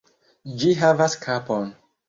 Ĝi havas kapon!